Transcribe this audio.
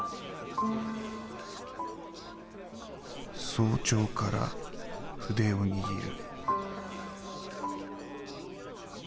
「早朝から筆を握る」。